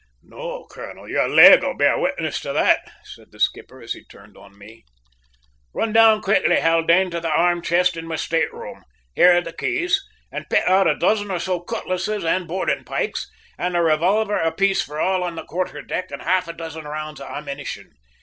"No colonel, your leg'll bear witness to that," said the skipper as he turned to me. "Run down quickly, Haldane, to the arm chest in my state room here are the keys and pick out a dozen or so cutlasses and boarding pikes, with a revolver apiece for all on the quarter deck, and half a dozen rounds of ammunition.